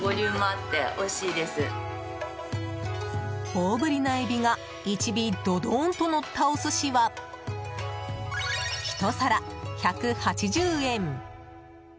大ぶりなエビが１尾どどーんとのったお寿司は１皿１８０円。